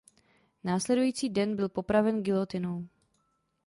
Následující den byl popraven gilotinou.